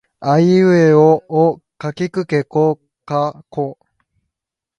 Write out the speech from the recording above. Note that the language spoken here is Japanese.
あえいうえおあおかけきくけこかこ